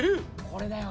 これだよ。